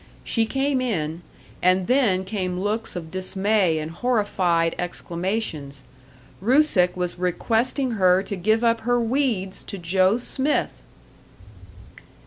She came in; and then came looks of dismay and horrified exclamations. Rusick was requesting her to give up her weeds to Joe Smith!